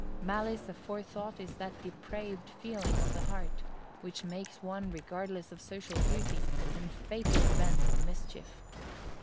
Malice aforethought is that depraved feeling of the heart, which makes one regardless of social duty, and fatally bent on mischief.